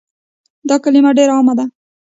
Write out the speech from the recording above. دا کلمه ډيره عامه ده